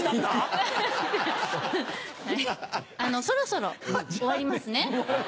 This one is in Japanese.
そろそろ終わりますね。